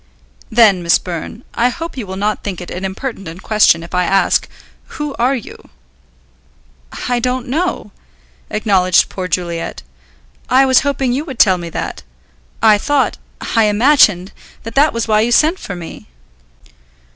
"Then, Miss Byrne, I hope you will not think it an impertinent question if I ask, who are you?" "I don't know," acknowledged poor Juliet. "I was hoping you would tell me that. I thought, I imagined, that that was why you sent for me."